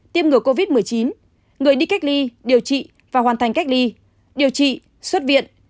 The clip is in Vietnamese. tiêm ngừa covid một mươi chín người đi cách ly điều trị và hoàn thành cách ly điều trị xuất viện